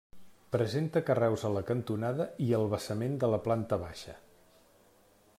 Presenta carreus a la cantonada i al basament de la planta baixa.